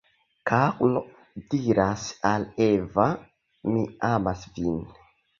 Karlo diras al Eva: Mi amas vin.